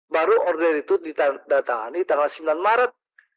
baru order itu ditanda tangani tanggal sembilan maret dua ribu dua puluh tiga